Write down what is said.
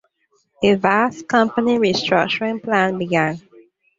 A vast company restructuring plan began.